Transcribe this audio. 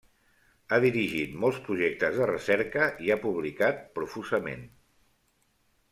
Ha dirigit molts projectes de recerca i ha publicat profusament.